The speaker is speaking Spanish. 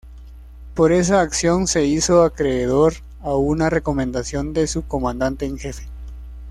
Por esa acción se hizo acreedor a una recomendación de su comandante en jefe.